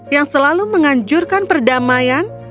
yang selalu menganjurkan